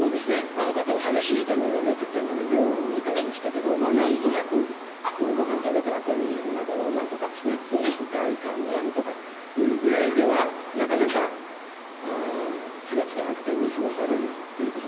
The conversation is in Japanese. あの方は激しい痛みが出てきたので病院に行かれましたけどまあ何となくごはん食べたあとにおなかが重いとかですねそういう不快感があるとかいうぐらいではなかなか気が付かなくて見過ごされるということですね。